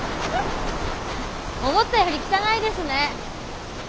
思ったより汚いですね。